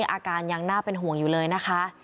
อาการยังน่าเป็นห่วงอยู่เลยนะคะ